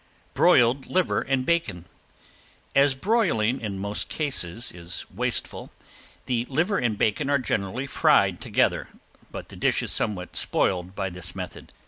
~BROILED LIVER AND BACON~ As broiling in most cases is wasteful, the liver and bacon are generally fried together, but the dish is somewhat spoiled by this method.